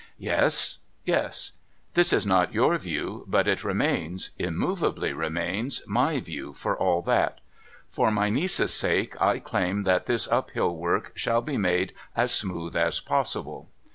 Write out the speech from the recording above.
Yes, yes ; this is not your view, but it remains, immovably remains, my view for all that. For my niece's sake, I claim that this uphill work shall be made as smooth as possible.